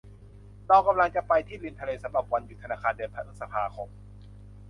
เรากำลังจะไปที่ริมทะเลสำหรับวันหยุดธนาคารเดือนพฤษภาคม